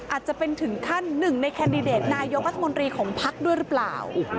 อาจจะเป็นถึงขั้นหนึ่งในแคนดิเดตนายกรัฐมนตรีของพักด้วยหรือเปล่า